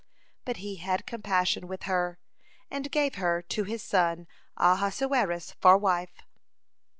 But he had compassion with her, and gave her to his son Ahasuerus for wife.